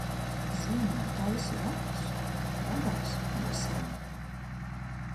Ziemā taisi ratus, ragavas vasarā.